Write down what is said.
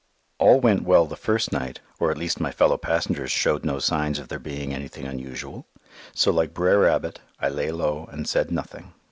All went well the first night, or at least my fellow passengers showed no signs of there being anything unusual, so like Brer Rabbit, I lay low and said nothing.